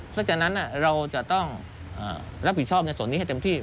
เพราะฉะนั้นเราจะต้องรับผิดชอบในส่วนนี้ให้เต็มที่